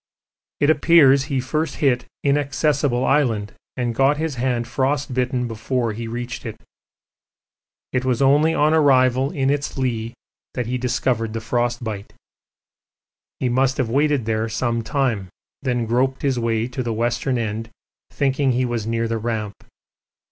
It appears he first hit Inaccessible Island, and got his hand frostbitten before he reached it. It was only on arrival in its lee that he discovered the frostbite. He must have waited there some time, then groped his way to the western end thinking he was near the Ramp.